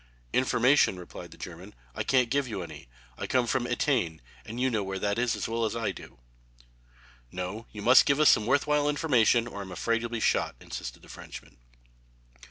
"Information," replied the German, "I can't give you any. I come from Etain, and you know where that is as well as I do." "No, you must give us some worth while information, or I'm afraid you'll be shot," insisted the Frenchman.